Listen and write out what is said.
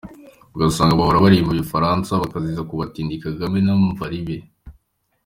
Ugasanga bahora baririmba ko Abafaransa bazabakiza Kabutindi Kagame n’abambari be.